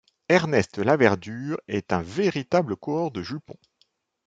Ernest Laverdure est un véritable coureur de jupons.